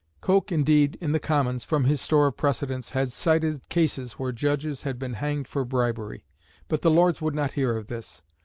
Coke, indeed, in the Commons, from his store of precedents, had cited cases where judges had been hanged for bribery. But the Lords would not hear of this.